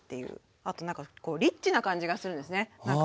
あとなんかリッチな感じがするんですねなんか